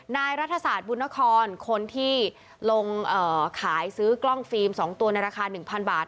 นายรัฐศาสตร์บุณครคนที่ลงเอ่อขายซื้อกล้องฟิล์มสองตัวในราคาหนึ่งพันบาท